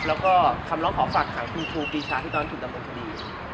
แล้วก็คำร้องขอฝากขังคุณครูปีชาที่ตอนนั้นถูกดำเนินคดี